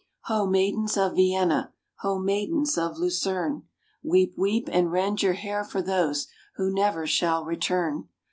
.... Ho! maidens of Vienna; ho! matrons of Lucerne; Weep, weep, and rend your hair for those who never shall return.